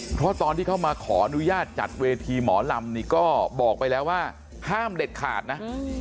เพราะตอนที่เขามาขออนุญาตจัดเวทีหมอลำนี่ก็บอกไปแล้วว่าห้ามเด็ดขาดนะ